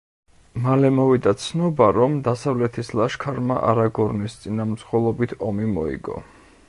მალე მოვიდა ცნობა, რომ დასავლეთის ლაშქარმა არაგორნის წინამძღოლობით ომი მოიგო.